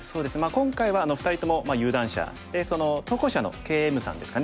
今回は２人とも有段者で投稿者のＫ．Ｍさんですかね。